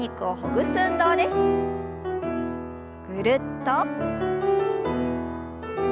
ぐるっと。